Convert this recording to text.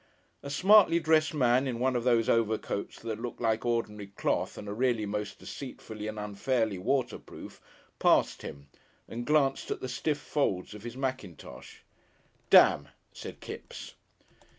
A smartly dressed man in one of those overcoats that look like ordinary cloth and are really most deceitfully and unfairly waterproof, passed him and glanced at the stiff folds of his mackintosh. "Demn!" said Kipps.